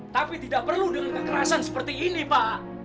tapi tidak perlu dengan kekerasan seperti ini pak